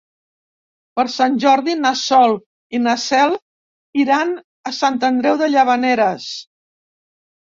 Per Sant Jordi na Sol i na Cel iran a Sant Andreu de Llavaneres.